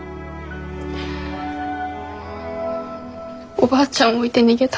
おばあちゃんを置いて逃げた。